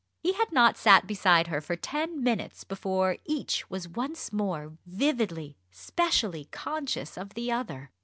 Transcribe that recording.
He had not sat beside her for ten minutes before each was once more vividly, specially conscious of the other.